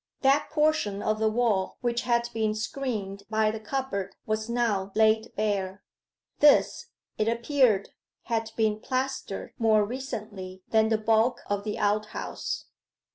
That portion of the wall which had been screened by the cupboard was now laid bare. This, it appeared, had been plastered more recently than the bulk of the outhouse.